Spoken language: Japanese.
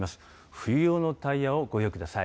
冬用のタイヤをご用意ください。